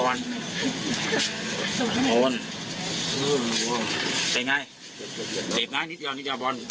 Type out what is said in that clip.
โอ้โหลแต่ไงเจ็บไหมนิดเดี๋ยวนิดเดี๋ยวบอล